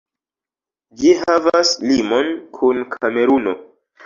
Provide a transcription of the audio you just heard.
Ĝi havas limon kun Kameruno.